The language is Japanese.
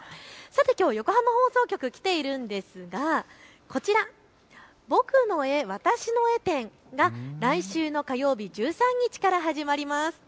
横浜放送局、来ているんですがこちら、ぼくの絵わたしの絵展が来週の火曜日１３日から始まります。